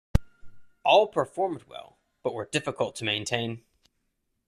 All performed well, but were difficult to maintain.